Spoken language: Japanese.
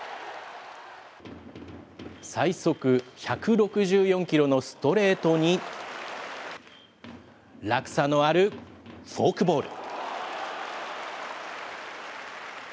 最速１６４キロのストレートに、落差のあるフォークボール。